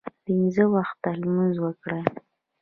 پنځه وخته لمونځ وکړئ